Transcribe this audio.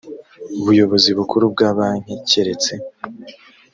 buyobozi bukuru bwa banki keretse